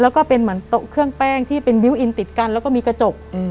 แล้วก็เป็นเหมือนโต๊ะเครื่องแป้งที่เป็นบิวตอินติดกันแล้วก็มีกระจก